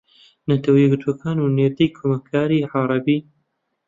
نەتەوە یەکگرتووەکان و نێردەی کۆمکاری عەرەبی